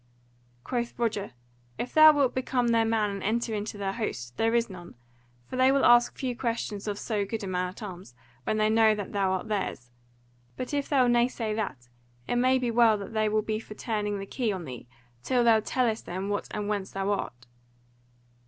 Quoth Roger, "If thou wilt become their man and enter into their host, there is none; for they will ask few questions of so good a man at arms, when they know that thou art theirs; but if thou naysay that, it may well be that they will be for turning the key on thee till thou tellest them what and whence thou art."